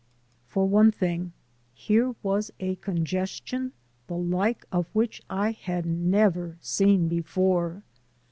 For one thing, here was a congestion the like of which I had never seen before.